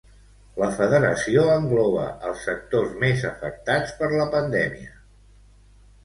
La federació engloba els sectors més afectats per la pandèmia.